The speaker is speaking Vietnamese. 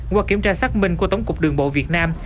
qua kiểm tra xác minh của tổng cục đường bộ việt nam